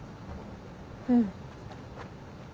うん。